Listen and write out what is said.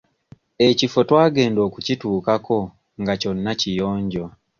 Ekifo twagenda okukituukako nga kyonna kiyonjo.